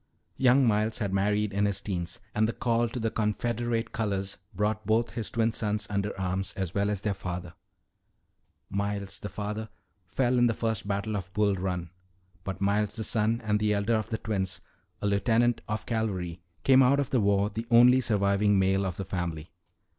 Young Miles had married in his teens, and the call to the Confederate colors brought both his twin sons under arms as well as their father. "Miles, the father, fell in the First Battle of Bull Run. But Miles, the son and elder of the twins, a lieutenant of cavalry, came out of the war the only surviving male of his family.